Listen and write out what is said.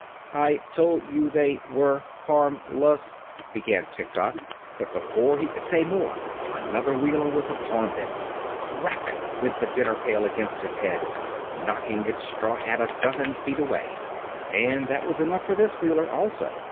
"I told you they were harm less," began Tiktok; but before he could say more another Wheeler was upon them. Crack! went the dinner pail against its head, knocking its straw hat a dozen feet away; and that was enough for this Wheeler, also.